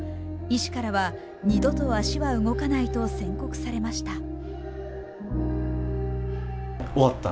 医師からは、二度と足は動かないと宣告されました。